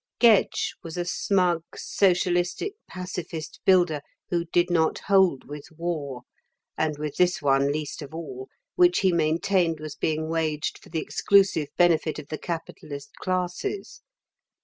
Gedge was a smug, socialistic, pacifist builder who did not hold with war and with this one least of all, which he maintained was being waged for the exclusive benefit of the capitalist classes.